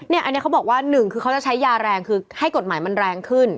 อันนี้เขาบอกว่าหนึ่งคือเขาจะใช้ยาแรงคือให้กฎหมายมันแรงขึ้น